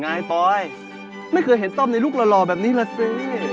ปอยไม่เคยเห็นต้อมในลูกหล่อแบบนี้แหละสิ